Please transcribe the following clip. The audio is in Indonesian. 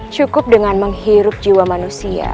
cukup dengan menghirup jiwa manusia